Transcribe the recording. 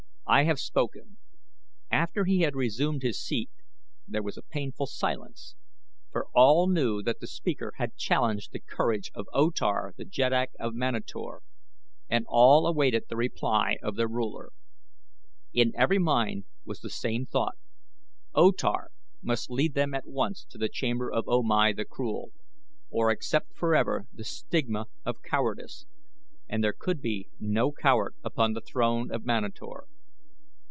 I have spoken." After he had resumed his seat there was a painful silence, for all knew that the speaker had challenged the courage of O Tar the Jeddak of Manator and all awaited the reply of their ruler. In every mind was the same thought O Tar must lead them at once to the chamber of O Mai the Cruel, or accept forever the stigma of cowardice, and there could be no coward upon the throne of Manator.